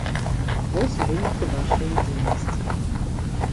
Вось вынікі вашае дзейнасці!